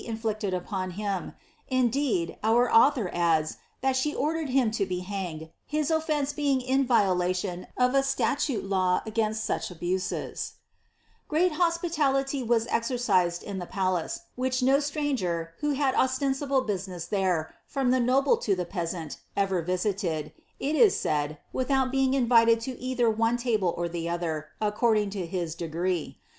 inflicted upon him; indeed, ou adds that she ordered him lo be hanged, bia offence being in , of a ataiuie law againat siicli abu9 Great hospitality was exercised in the palace, wliich no stiana^er who had osteoRible business there, frotn tlie noble lo the peasant, ever viiiied, it is said, without being invited to either one table or the other, accord ing lo his degree.